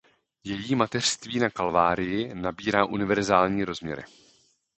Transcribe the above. Její mateřství na Kalvárii nabírá univerzální rozměry.